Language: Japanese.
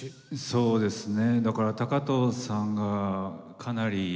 そうですね。